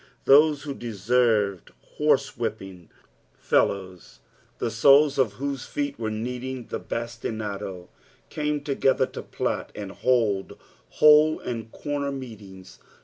Those w bo deserved horae whipping, fellows tlio soles of whose feet were needing the baatinado, camo together to plot, and held hole and corner meetings.